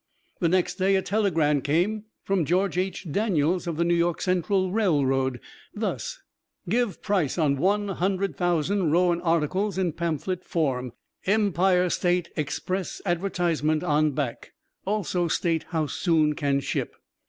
The next day a telegram came from George H. Daniels, of the New York Central Railroad, thus: "Give price on one hundred thousand Rowan article in pamphlet form Empire State Express advertisement on back also state how soon can ship."